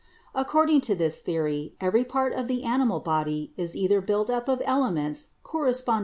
According to this theory, every part of the animal body is either built up of elements, correspond $.